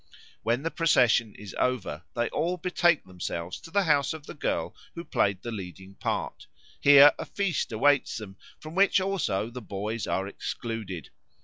When the procession is over they all betake themselves to the house of the girl who played the leading part. Here a feast awaits them from which also the boys are excluded.